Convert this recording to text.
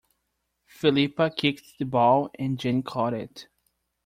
Philippa kicked the ball, and Jane caught it.